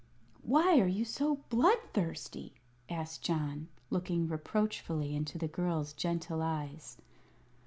"Why are you so bloodthirsty?" asked John, looking reproachfully into the girl's gentle eyes.